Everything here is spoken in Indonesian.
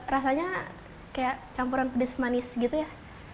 rasanya kayak campuran pedes manis gitu ya